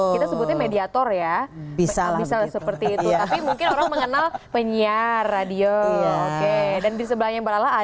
kita sebutnya mediator ya bisa lah bisa lah seperti itu tapi mungkin orang mengenal penyiar radio oke dan di sebelahnya mbak lala ada mbak lala